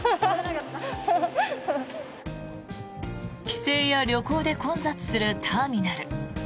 帰省や旅行で混雑するターミナル。